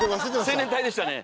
青年隊でしたね。